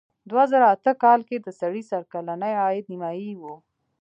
دوه زره اته کال کې د سړي سر کلنی عاید نیمايي و.